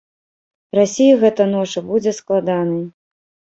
Расіі гэта ноша будзе складанай.